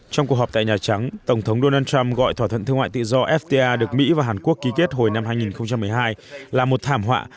trong cuộc họp tại nhà trắng tổng thống donald trump gọi thỏa thuận thương mại tự do fta được mỹ và hàn quốc ký kết hồi năm hai nghìn một mươi hai là một thảm họa